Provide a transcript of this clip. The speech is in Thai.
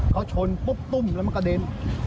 เขาชนปุ๊บตุ้มแล้วมันกระเด็น